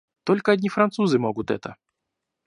Только одни французы могут это.